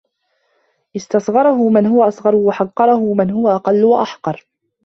اسْتَصْغَرَهُ مَنْ هُوَ أَصْغَرُ وَحَقَّرَهُ مَنْ هُوَ أَقَلُّ وَأَحْقَرُ